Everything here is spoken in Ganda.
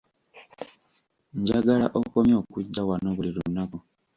Njagala okomye okujja wano buli lunaku.